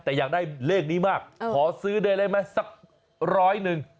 แต่อยากได้เลขนี้มากขอซื้อเลยได้ไหมสักร้อยหนึ่ง